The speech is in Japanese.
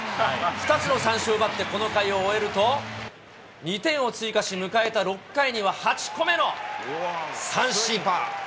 ２つの三振を奪ってこの回を終えると、２点を追加し、迎えた６回には８個目の三振。